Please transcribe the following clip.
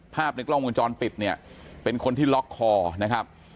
ในกล้องวงจรปิดเนี่ยเป็นคนที่ล็อกคอนะครับ